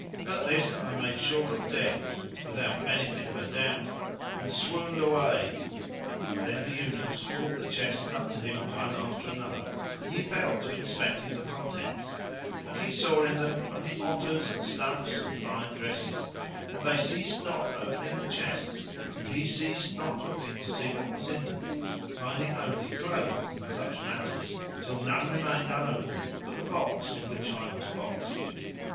At this I made sure of death (without benefit of a doubt) and swooned away. Then the eunuchs brought the chests up to him one after another and he fell to inspecting the contents, but he saw in them only ottars and stuffs and fine dresses; and they ceased not opening the chests and he ceased not looking to see what was in them, finding only clothes and such matters, till none remained unopened but the box in which I was boxed.